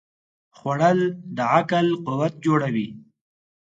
خوړل د عقل قوت جوړوي